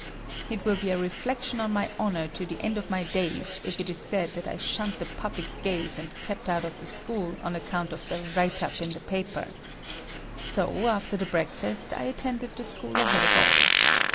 It will be a reflection on my honor to the end of my days if it is said that I shunned the public gaze and kept out of the school on account of the write up in the paper. So, after the breakfast, I attended the school ahead of all.